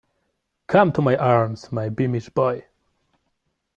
Come to my arms, my beamish boy!